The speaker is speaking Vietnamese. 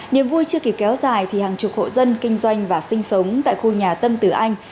niềm vui chưa kịp kéo dài thì hàng chục hộ dân kinh doanh và sinh sống tại khu nhà tân tử anh